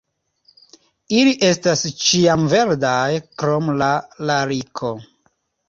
Ili estas ĉiamverdaj krom la lariko.